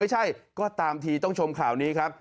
ไม่ใช่ก็ตามทีต้องชมข่าวนี้ครับ